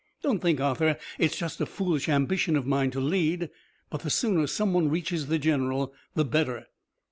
Don't think, Arthur, it's just a foolish ambition of mine to lead, but the sooner some one reaches the general the better."